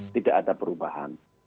tidak ada perubahan